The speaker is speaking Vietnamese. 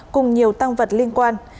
đều tăng vật liên quan